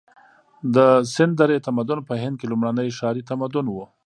د سند درې تمدن په هند کې لومړنی ښاري تمدن و.